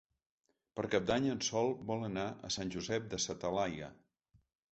Per Cap d'Any en Sol vol anar a Sant Josep de sa Talaia.